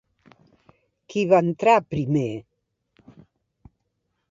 Qui va entrar primer?